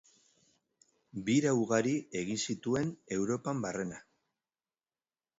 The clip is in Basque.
Bira ugari egin zituen Europan barrena.